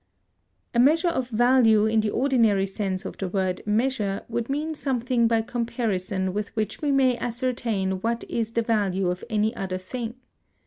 A Measure of Value,(224) in the ordinary sense of the word measure, would mean something by comparison with which we may ascertain what is the value of any other thing.